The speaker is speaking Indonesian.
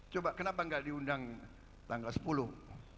coba kenapa nggak diundang tanggal sepuluh